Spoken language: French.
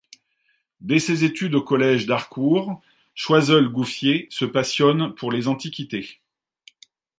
Dès ses études au collège d'Harcourt, Choiseul-Gouffier se passionne pour les antiquités.